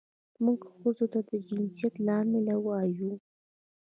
موږ ښځې ته د جنسیت له امله ووایو.